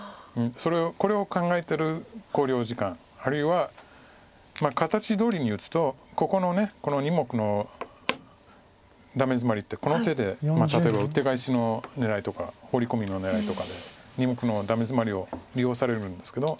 これを考えてる考慮時間あるいは形どおりに打つとここの２目のダメヅマリってこの手で例えばウッテガエシの狙いとかホウリコミの狙いとかで２目のダメヅマリを利用されるんですけど。